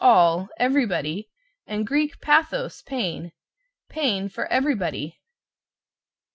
all, everybody, and Grk. pathos, pain. Pain for everybody.